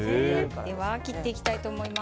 では切っていきたいと思います。